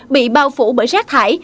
bị bao phủ bởi rác thải